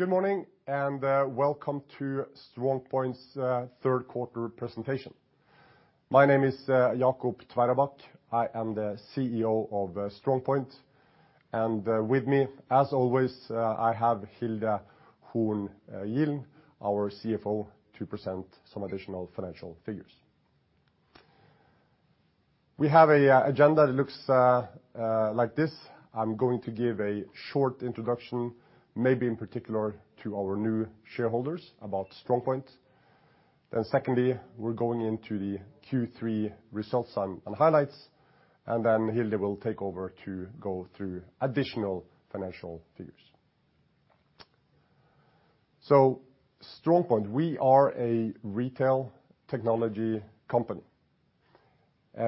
Good morning, welcome to StrongPoint's Q3 presentation. My name is Jacob Tveraabak. I am the CEO of StrongPoint. With me, as always, I have Hilde Horn Gilen, our CFO, to present some additional financial figures. We have an agenda that looks like this. I'm going to give a short introduction, maybe in particular to our new shareholders, about StrongPoint. Secondly, we're going into the Q3 results and highlights, and then Hilde will take over to go through additional financial figures. StrongPoint, we are a retail technology company.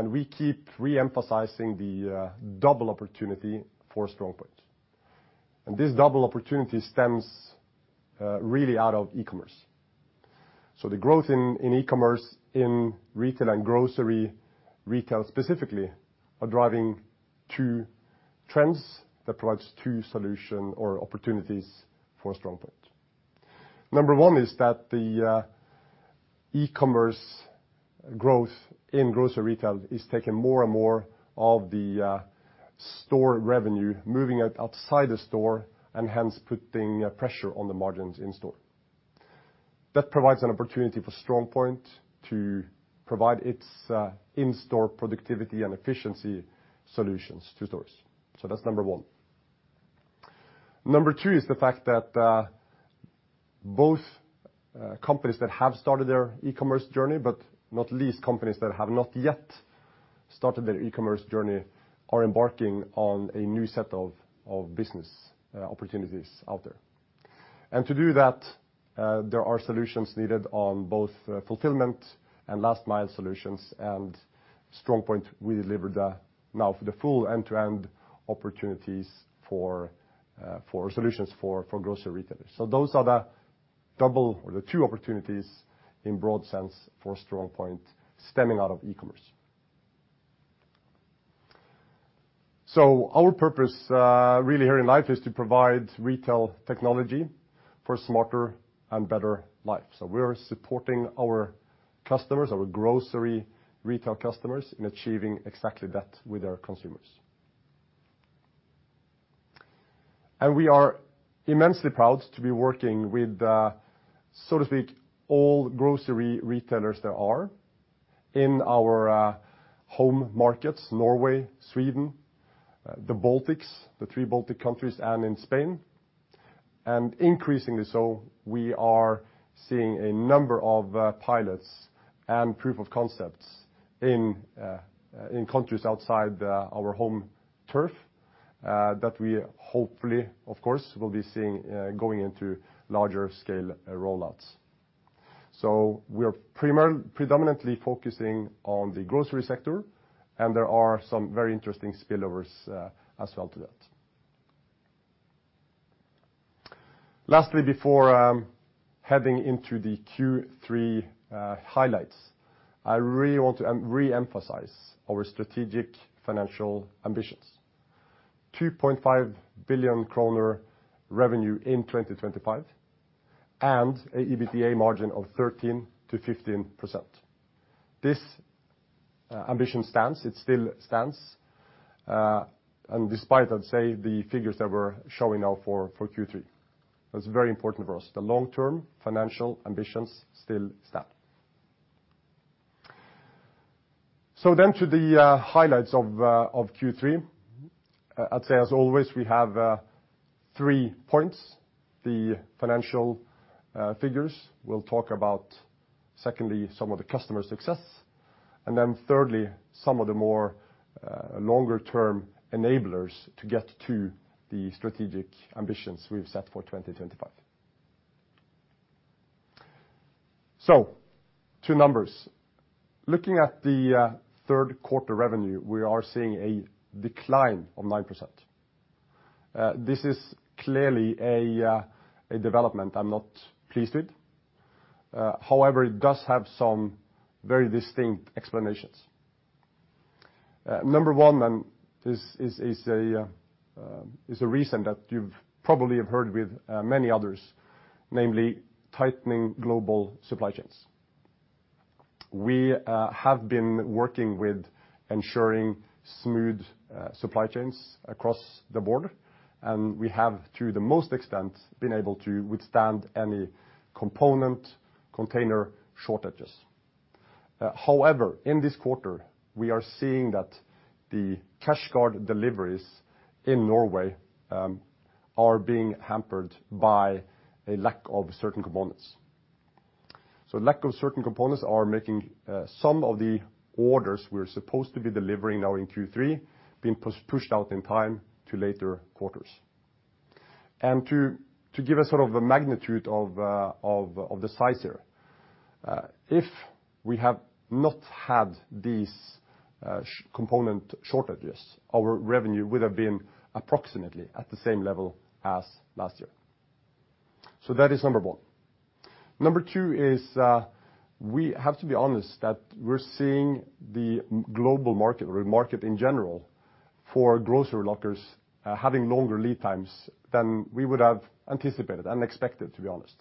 We keep re-emphasizing the double opportunity for StrongPoint. This double opportunity stems really out of e-commerce. The growth in e-commerce in retail and grocery retail specifically are driving two trends that provides two solution or opportunities for StrongPoint. Number one is that the e-commerce growth in grocery retail is taking more and more of the store revenue, moving it outside the store, and hence putting pressure on the margins in-store. That provides an opportunity for StrongPoint to provide its in-store productivity and efficiency solutions to stores. That's number one. Number two is the fact that both companies that have started their e-commerce journey, but not least companies that have not yet started their e-commerce journey, are embarking on a new set of business opportunities out there. To do that, there are solutions needed on both fulfillment and last mile solutions and StrongPoint, we deliver the now for the full end-to-end opportunities for solutions for grocery retailers. Those are the double or the two opportunities in broad sense for StrongPoint stemming out of e-commerce. Our purpose really here in life is to provide retail technology for smarter and better life. We are supporting our customers, our grocery retail customers in achieving exactly that with our consumers. We are immensely proud to be working with, so to speak, all grocery retailers there are in our home markets, Norway, Sweden, the Baltics, the three Baltic countries, and in Spain. Increasingly so, we are seeing a number of pilots and proof of concepts in countries outside our home turf that we hopefully, of course, will be seeing going into larger scale roll-outs. We are predominantly focusing on the grocery sector, and there are some very interesting spillovers as well to that. Lastly, before heading into the Q3 highlights, I really want to re-emphasize our strategic financial ambitions. 2.5 billion kroner revenue in 2025, and a EBITDA margin of 13%-15%. This ambition stance, it still stands, despite, I'd say, the figures that we're showing now for Q3. That's very important for us. The long-term financial ambitions still stand. To the highlights of Q3. I'd say as always, we have three points. The financial figures we'll talk about, secondly, some of the customer success, and then thirdly, some of the more longer-term enablers to get to the strategic ambitions we've set for 2025. Two numbers. Looking at the Q3 revenue, we are seeing a decline of 9%. This is clearly a development I'm not pleased with. However, it does have some very distinct explanations. Number one then is a reason that you've probably have heard with many others, namely tightening global supply chains. We have been working with ensuring smooth supply chains across the board, and we have, to the most extent, been able to withstand any component container shortages. However, in this quarter, we are seeing that the CashGuard deliveries in Norway are being hampered by a lack of certain components. Lack of certain components are making some of the orders we're supposed to be delivering now in Q3 being pushed out in time to later quarters. To give a sort of a magnitude of the size here, if we have not had these component shortages, our revenue would have been approximately at the same level as last year. That is number one. Number two is we have to be honest that we're seeing the global market, or market in general, for grocery lockers having longer lead times than we would have anticipated and expected, to be honest.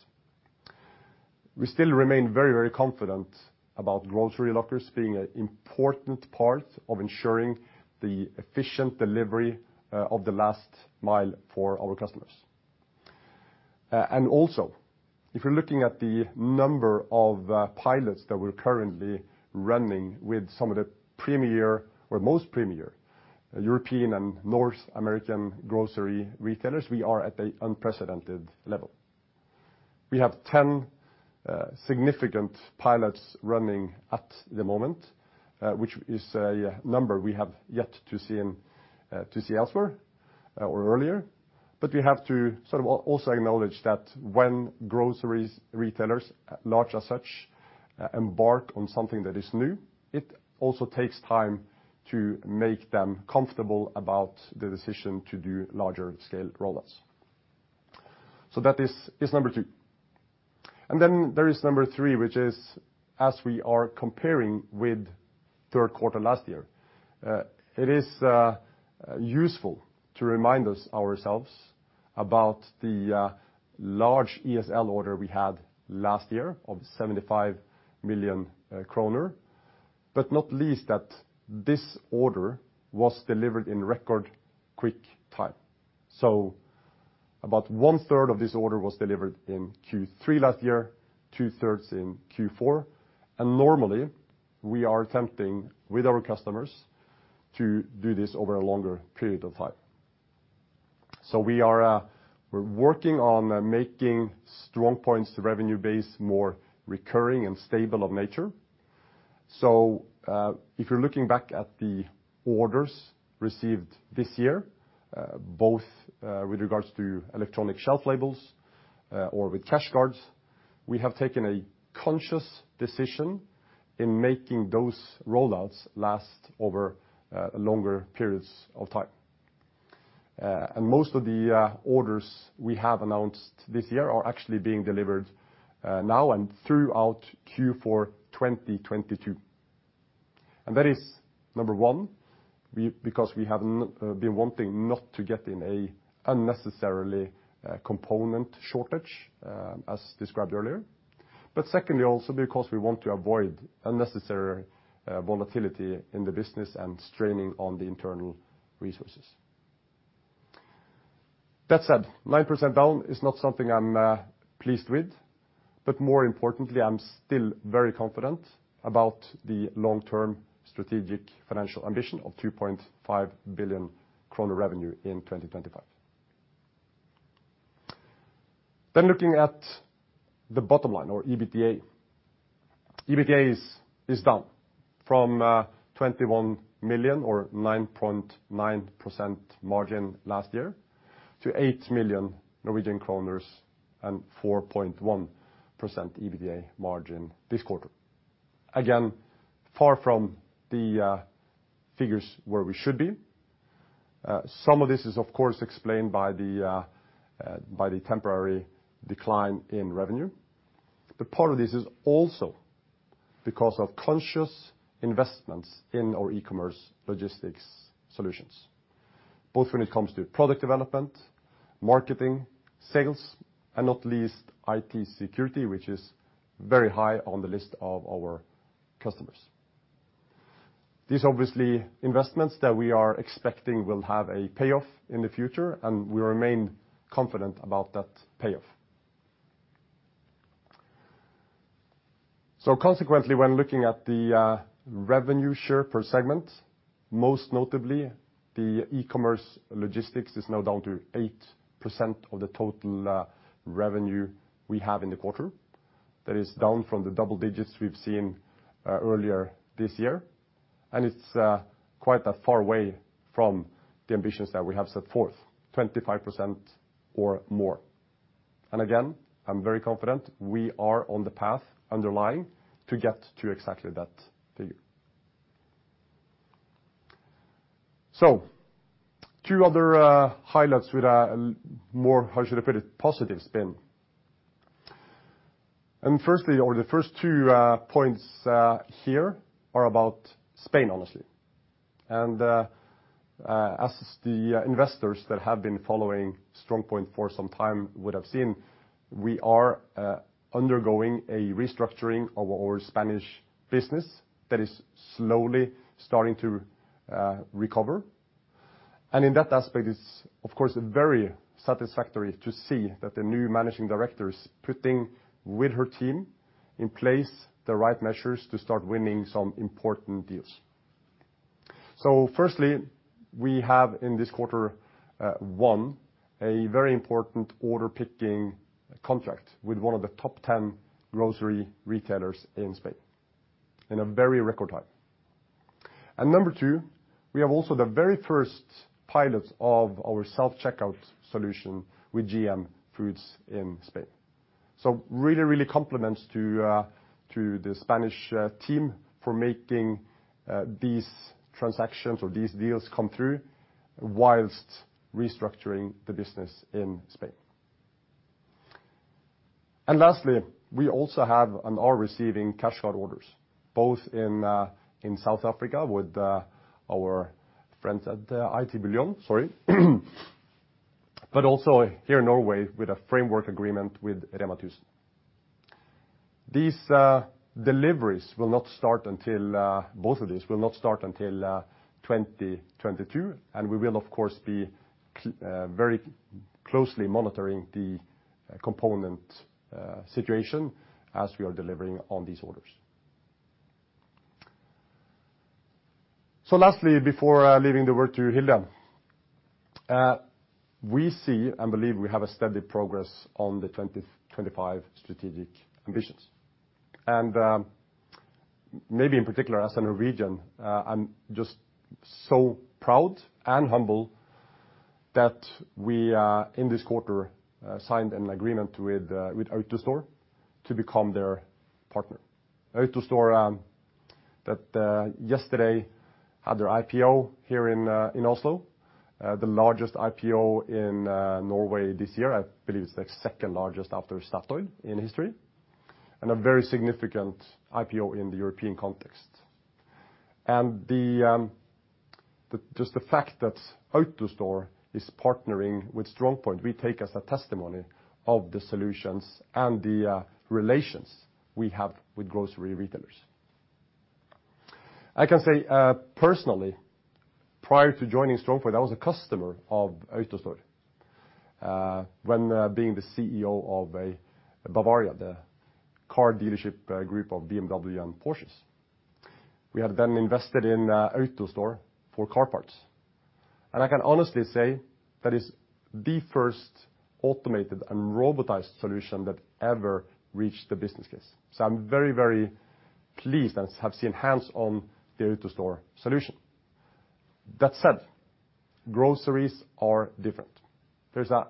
We still remain very, very confident about grocery lockers being an important part of ensuring the efficient delivery of the last mile for our customers. If you're looking at the number of pilots that we're currently running with some of the most premier European and North American grocery retailers, we are at a unprecedented level. We have 10 significant pilots running at the moment, which is a number we have yet to see elsewhere or earlier. We have to also acknowledge that when grocery retailers, large as such, embark on something that is new, it also takes time to make them comfortable about the decision to do larger scale roll-outs. That is number two. There is number three, which is as we are comparing with Q3 last year, it is useful to remind ourselves about the large ESL order we had last year of 75 million kroner, but not least that this order was delivered in record quick time. About 1/3 of this order was delivered in Q3 last year, 2/3 in Q4, and normally we are attempting with our customers to do this over a longer period of time. We're working on making StrongPoint's revenue base more recurring and stable of nature. If you're looking back at the orders received this year, both with regards to electronic shelf labels or with CashGuard, we have taken a conscious decision in making those roll-outs last over longer periods of time. Most of the orders we have announced this year are actually being delivered now and throughout Q4 2022. That is, number one, because we have been wanting not to get in a unnecessarily component shortage, as described earlier. Secondly, also because we want to avoid unnecessary volatility in the business and straining on the internal resources. That said, 9% down is not something I'm pleased with, but more importantly, I'm still very confident about the long-term strategic financial ambition of 2.5 billion kroner revenue in 2025. Looking at the bottom line or EBITDA. EBITDA is down from 21 million or 9.9% margin last year to 8 million Norwegian kroner and 4.1% EBITDA margin this quarter. Again, far from the figures where we should be. Some of this is of course explained by the temporary decline in revenue. Part of this is also because of conscious investments in our e-commerce logistics solutions, both when it comes to product development, marketing, sales, and not least IT security, which is very high on the list of our customers. These obviously investments that we are expecting will have a payoff in the future, and we remain confident about that payoff. Consequently, when looking at the revenue share per segment, most notably the e-commerce logistics is now down to 8% of the total revenue we have in the quarter. That is down from the double digits we've seen earlier this year. It's quite far away from the ambitions that we have set forth, 25% or more. Again, I'm very confident we are on the path underlying to get to exactly that figure. Two other highlights with a more, how should I put it, positive spin. Firstly, the first two points here are about Spain, honestly. As the investors that have been following StrongPoint for some time would have seen, we are undergoing a restructuring of our Spanish business that is slowly starting to recover. In that aspect, it's of course very satisfactory to see that the new managing director is putting with her team in place the right measures to start winning some important deals. Firstly, we have in this quarter, one, a very important Order Picking contract with one of the top 10 grocery retailers in Spain in a very record time. Number two, we have also the very first pilots of our self-checkout solution with GM Food in Spain. Really compliments to the Spanish team for making these transactions or these deals come through whilst restructuring the business in Spain. Lastly, we also have and are receiving CashGuard orders, both in South Africa with our friends at Bullion IT, sorry, but also here in Norway with a framework agreement with REMA 1000. Both of these deliveries will not start until 2022, and we will, of course, be very closely monitoring the component situation as we are delivering on these orders. Lastly, before leaving the work to Hilde, we see and believe we have a steady progress on the 2025 strategic ambitions. Maybe in particular, as a Norwegian, I'm just so proud and humble that we are, in this quarter, signed an agreement with AutoStore to become their partner. AutoStore that yesterday had their IPO here in Oslo, the largest IPO in Norway this year. I believe it's the second largest after Statoil in history, and a very significant IPO in the European context. Just the fact that AutoStore is partnering with StrongPoint, we take as a testimony of the solutions and the relations we have with grocery retailers. I can say, personally, prior to joining StrongPoint, I was a customer of AutoStore when being the CEO of Bavaria, the car dealership group of BMW and Porsches. We have then invested in AutoStore for car parts. I can honestly say that is the first automated and robotized solution that ever reached the business case. I'm very, very pleased and have seen hands-on the AutoStore solution. That said, groceries are different. There's a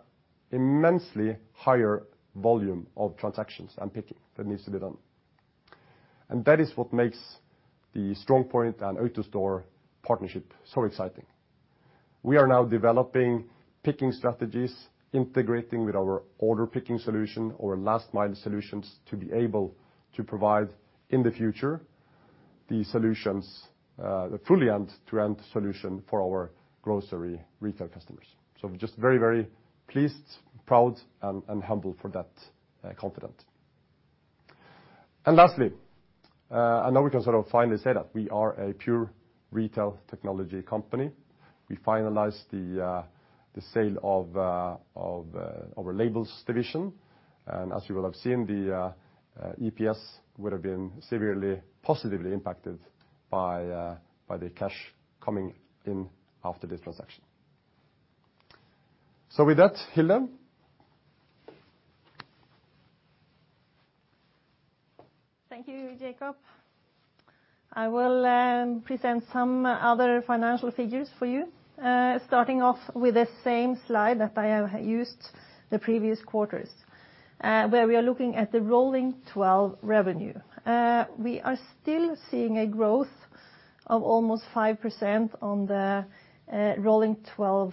immensely higher volume of transactions and picking that needs to be done. That is what makes the StrongPoint and AutoStore partnership so exciting. We are now developing picking strategies, integrating with our Order Picking solution, our last mile solutions to be able to provide, in the future, the solutions, the fully end-to-end solution for our grocery retail customers. Just very, very pleased, proud and humble for that confident. Lastly, now we can sort of finally say that we are a pure retail technology company. We finalized the sale of our Labels business. As you will have seen, the EPS would have been severely, positively impacted by the cash coming in after this transaction. With that, Hilde? Thank you, Jacob. I will present some other financial figures for you. Starting off with the same slide that I used the previous quarters, where we are looking at the rolling 12 revenue. We are still seeing a growth of almost 5% on the rolling 12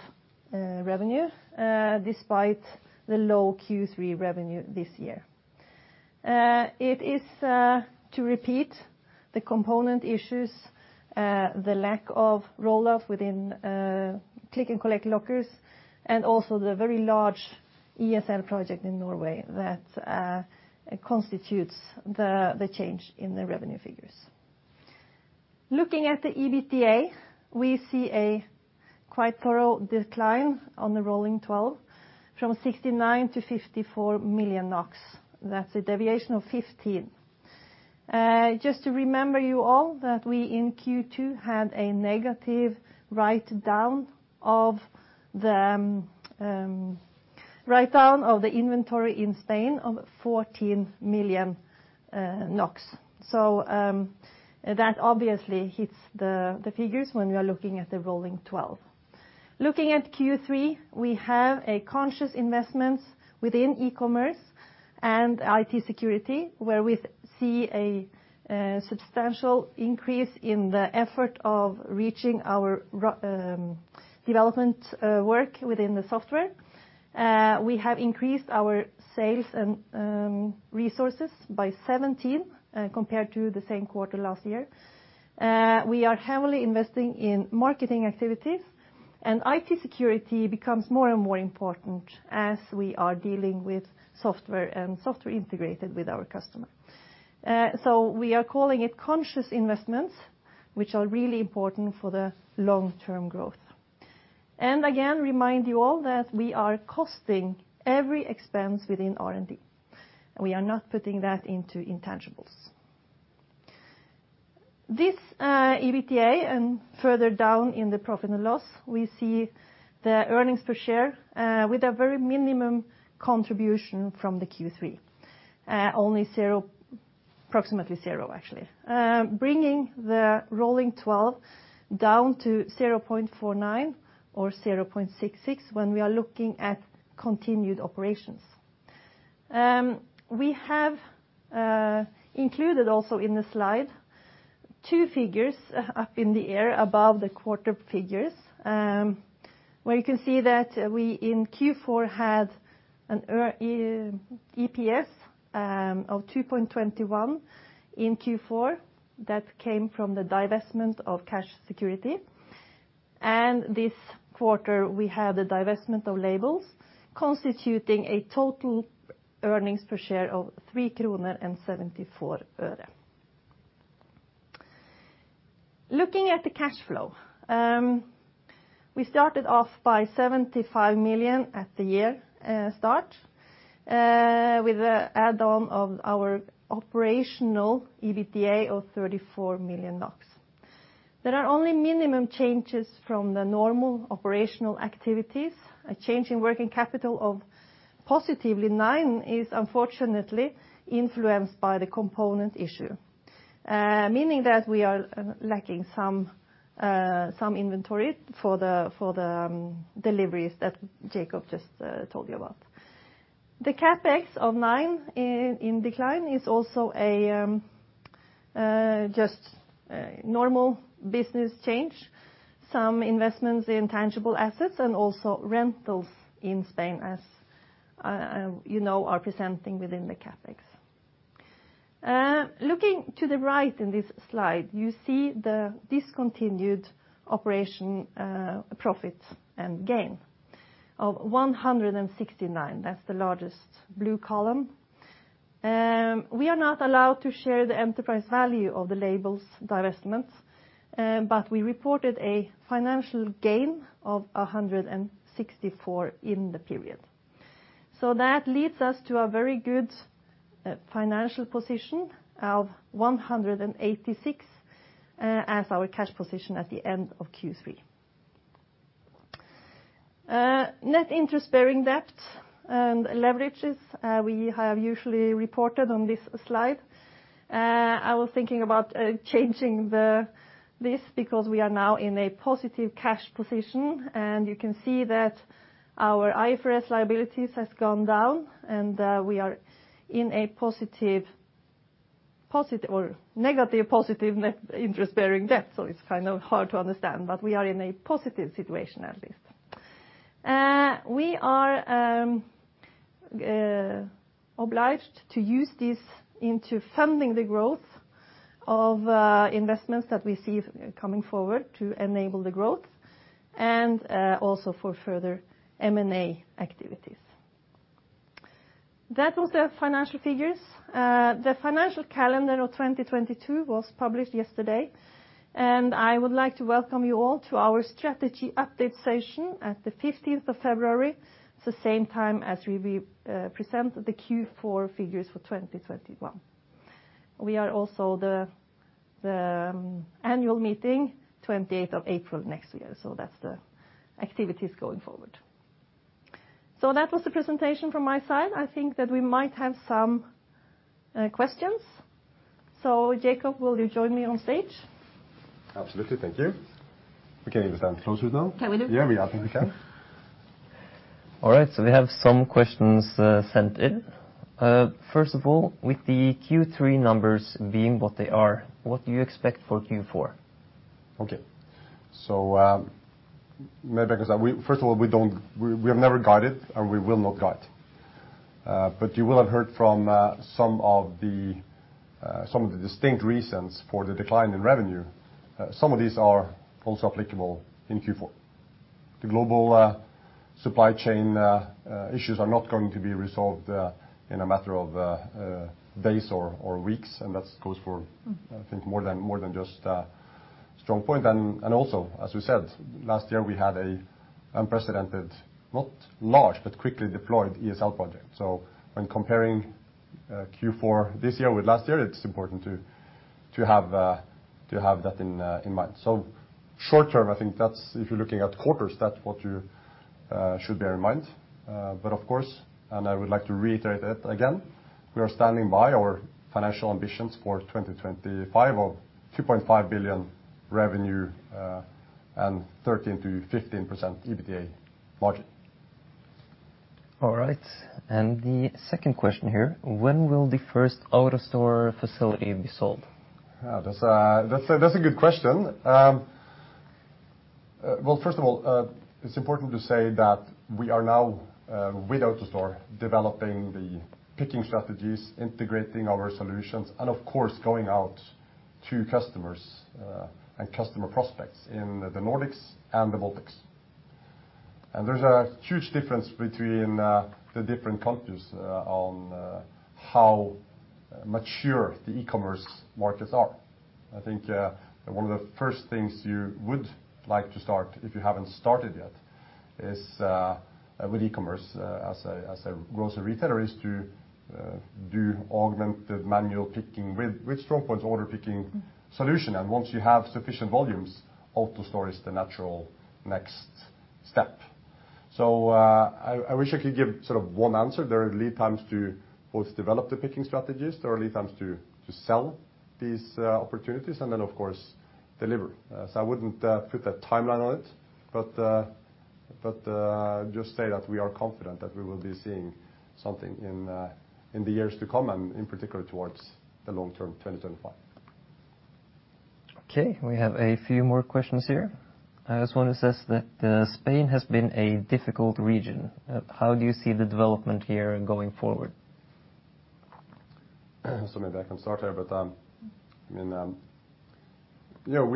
revenue, despite the low Q3 revenue this year. It is to repeat the component issues, the lack of roll-out within Click & Collect lockers, and also the very large ESL project in Norway that constitutes the change in the revenue figures. Looking at the EBITDA, we see a quite thorough decline on the rolling 12 from 69 million-54 million NOK. That's a deviation of 15 million. Just to remember you all that we in Q2 had a negative write-down of the inventory in Spain of 14 million NOK. That obviously hits the figures when we are looking at the rolling 12. Looking at Q3, we have a conscious investments within e-commerce and IT security where we see a substantial increase in the effort of reaching our development work within the software. We have increased our sales and resources by 17 compared to the same quarter last year. We are heavily investing in marketing activities and IT security becomes more and more important as we are dealing with software and software integrated with our customer. We are calling it conscious investments, which are really important for the long-term growth. Again, remind you all that we are costing every expense within R&D, and we are not putting that into intangibles. This EBITDA and further down in the profit and loss, we see the earnings per share with a very minimum contribution from the Q3. Only approximately zero, actually. Bringing the rolling 12 down to 0.49 or 0.66 when we are looking at continued operations. We have included also in the slide two figures up in the air above the quarter figures, where you can see that we in Q4 had an EPS of 2.21 in Q4 that came from the divestment of Cash Security. This quarter we have the divestment of Labels constituting a total earnings per share of NOK 3.74. Looking at the cash flow, we started off by 75 million at the year start, with add-on of our operational EBITDA of 34 million NOK. There are only minimum changes from the normal operational activities. A change in working capital of positively 9 is unfortunately influenced by the component issue, meaning that we are lacking some inventory for the deliveries that Jacob just told you about. The CapEx of nine in decline is also a just normal business change, some investments in tangible assets and also rentals in Spain, as you know, are presenting within the CapEx. Looking to the right in this slide, you see the discontinued operation profit and gain of 169. That's the largest blue column. We are not allowed to share the enterprise value of the labels divestments, but we reported a financial gain of 164 in the period. That leads us to a very good financial position of 186 as our cash position at the end of Q3. Net interest-bearing debt and leverages, we have usually reported on this slide. I was thinking about changing this because we are now in a positive cash position, and you can see that our IFRS liabilities has gone down and we are in a negative net interest-bearing debt. It's kind of hard to understand, but we are in a positive situation at least. We are obliged to use this into funding the growth of investments that we see coming forward to enable the growth and also for further M&A activities. That was the financial figures. The financial calendar of 2022 was published yesterday. I would like to welcome you all to our strategy update session at the February 15th, the same time as we present the Q4 figures for 2021. We are also the annual meeting April 28th next year. That's the activities going forward. That was the presentation from my side. I think that we might have some questions. Jacob, will you join me on stage? Absolutely. Thank you. We can stand closer now. Can we do? Yeah, we absolutely can. All right, we have some questions sent in. First of all, with the Q3 numbers being what they are, what do you expect for Q4? Okay. Maybe I can start. First of all, we have never guided, and we will not guide. You will have heard from some of the distinct reasons for the decline in revenue. Some of these are also applicable in Q4. The global supply chain issues are not going to be resolved in a matter of days or weeks, and that goes for I think more than just a StrongPoint. Also, as we said, last year we had a unprecedented, not large, but quickly deployed ESL project. When comparing Q4 this year with last year, it's important to have that in mind. Short term, I think if you're looking at quarters, that's what you should bear in mind. Of course, I would like to reiterate it again, we are standing by our financial ambitions for 2025 of 2.5 billion revenue and 13%-15% EBITDA margin. All right. The second question here, when will the first AutoStore facility be sold? That's a good question. Well, first of all, it's important to say that we are now with AutoStore, developing the picking strategies, integrating our solutions, and of course, going out to customers and customer prospects in the Nordics and the Baltics. There's a huge difference between the different countries on how mature the e-commerce markets are. I think one of the first things you would like to start if you haven't started yet is with e-commerce as a grocery retailer is to do augmented manual picking with StrongPoint's Order Picking solution. Once you have sufficient volumes, AutoStore is the natural next step. I wish I could give sort of one answer. There are lead times to both develop the picking strategies. There are lead times to sell these opportunities. Of course, Deliver. I wouldn't put a timeline on it, but just say that we are confident that we will be seeing something in the years to come, and in particular towards the long term 2025. Okay, we have a few more questions here. This one says that Spain has been a difficult region. How do you see the development here going forward? Maybe I can start here. We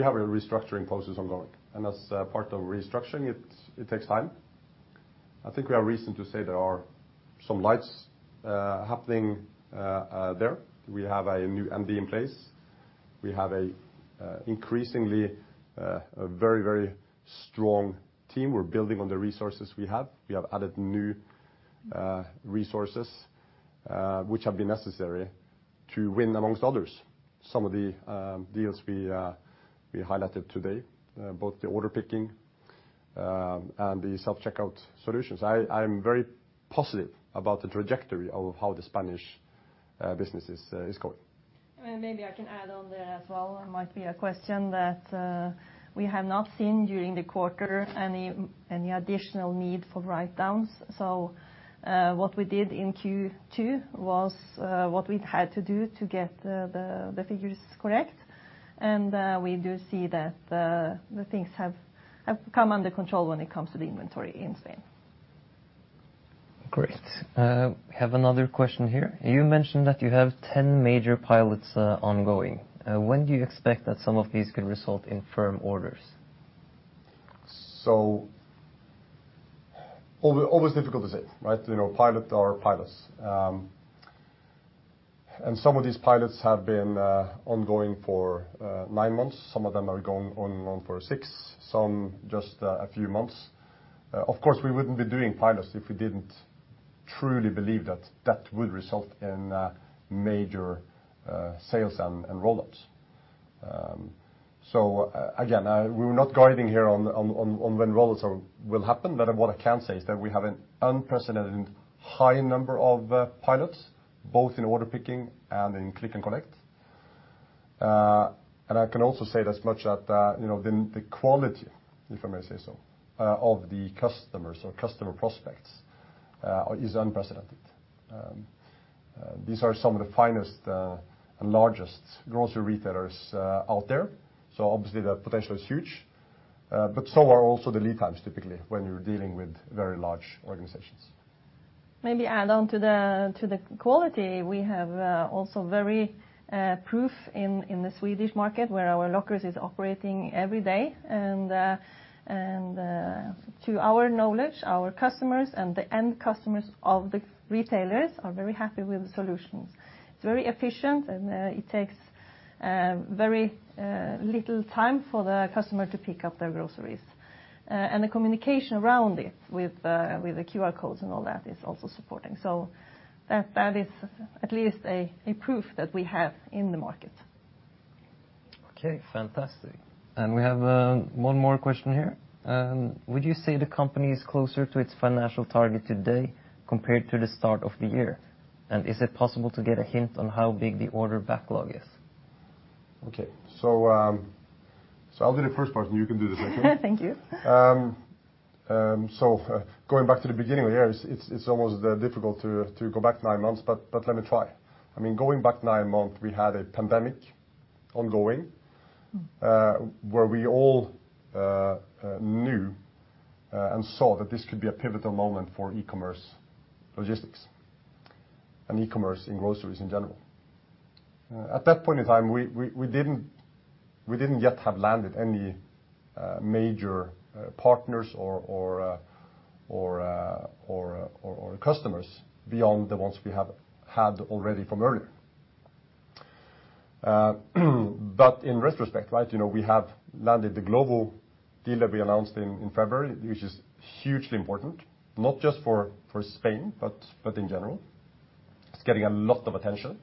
have a restructuring process ongoing, and as part of restructuring, it takes time. I think we have reason to say there are some lights happening there. We have a new MD in place. We have a increasingly very strong team. We're building on the resources we have. We have added new resources, which have been necessary to win, amongst others, some of the deals we highlighted today, both the Order Picking and the self-checkout solutions. I am very positive about the trajectory of how the Spanish business is going. Maybe I can add on there as well. It might be a question that we have not seen during the quarter any additional need for write-downs. What we did in Q2 was what we had to do to get the figures correct, and we do see that the things have come under control when it comes to the inventory in Spain. Great. We have another question here. You mentioned that you have 10 major pilots ongoing. When do you expect that some of these could result in firm orders? Always difficult to say, right? Pilot are pilots. Some of these pilots have been ongoing for nine months. Some of them are going on for six, some just a few months. Of course, we wouldn't be doing pilots if we didn't truly believe that that would result in major sales and roll-outs. Again, we're not guiding here on when roll-outs will happen, but what I can say is that we have an unprecedented high number of pilots, both in Order Picking and in Click & Collect. I can also say it as much that the quality, if I may say so, of the customers or customer prospects is unprecedented. These are some of the finest largest grocery retailers out there. Obviously the potential is huge, but so are also the lead times typically when you're dealing with very large organizations. Maybe add on to the quality, we have also very proof in the Swedish market where our lockers is operating every day, and to our knowledge, our customers and the end customers of the retailers are very happy with the solutions. It's very efficient and it takes very little time for the customer to pick up their groceries. The communication around it with the QR code and all that is also supporting. That is at least a proof that we have in the market. Okay, fantastic. We have one more question here. Would you say the company is closer to its financial target today compared to the start of the year? Is it possible to get a hint on how big the order backlog is? Okay. I'll do the first part, and you can do the second. Thank you. Going back to the beginning of the year, it's almost difficult to go back nine months, but let me try. Going back nine months, we had a pandemic ongoing, where we all knew and saw that this could be a pivotal moment for e-commerce logistics and e-commerce in groceries in general. At that point in time, we didn't yet have landed any major partners or customers beyond the ones we had already from earlier. In retrospect, we have landed the global deal that we announced in February, which is hugely important, not just for Spain, but in general. It's getting a lot of attention.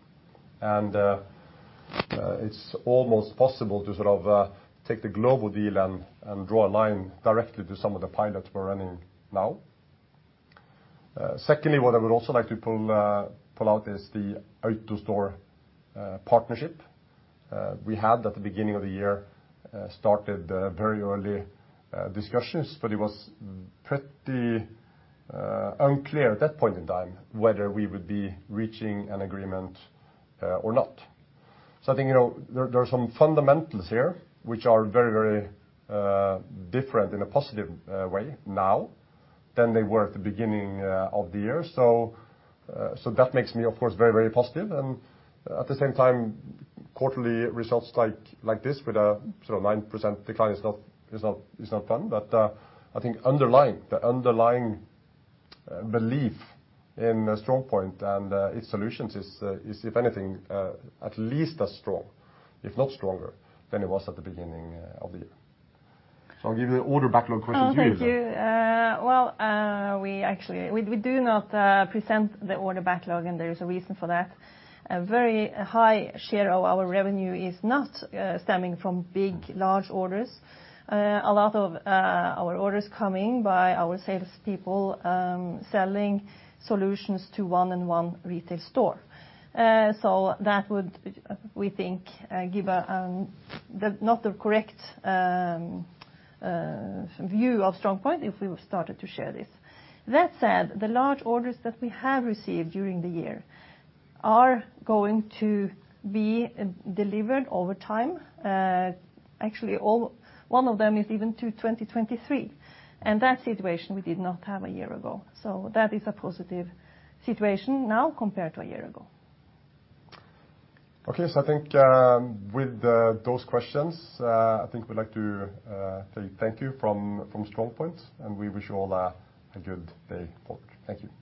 It's almost possible to take the global deal and draw a line directly to some of the pilots we're running now. Secondly, what I would also like to pull out is the AutoStore partnership we had at the beginning of the year, started very early discussions, but it was pretty unclear at that point in time whether we would be reaching an agreement or not. I think there are some fundamentals here which are very different in a positive way now than they were at the beginning of the year. That makes me, of course, very positive and at the same time quarterly results like this with a 9% decline is not fun. I think the underlying belief in StrongPoint and its solutions is, if anything, at least as strong, if not stronger than it was at the beginning of the year. I'll give the order backlog question to you then. Oh, thank you. Well, we do not present the order backlog, and there is a reason for that. A very high share of our revenue is not stemming from big large orders. A lot of our orders coming by our salespeople selling solutions to one and one retail store. That would, we think, give not the correct view of StrongPoint if we started to share this. That said, the large orders that we have received during the year are going to be delivered over time. Actually, one of them is even to 2023, and that situation we did not have a year ago. That is a positive situation now compared to a year ago. Okay. I think with those questions, I think we'd like to say thank you from StrongPoint, and we wish you all a good day forth. Thank you.